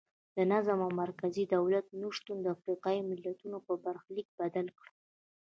د نظم او مرکزي دولت نشتون د افریقایي ملتونو برخلیک بدل کړ.